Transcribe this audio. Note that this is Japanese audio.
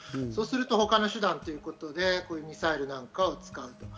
そうすると他の手段ということでミサイルなんかを使う。